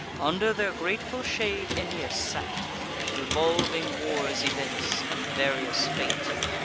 Under their grateful shade Aeneas sate, Revolving war's events, and various fate.